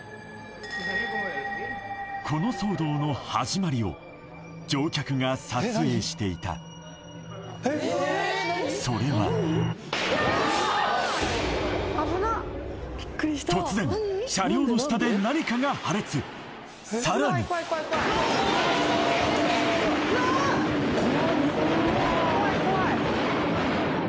この騒動の始まりを乗客が撮影していたそれは突然車両の下で何かが破裂さらにテロ？